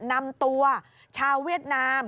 นำตัวชาวเวียดนาม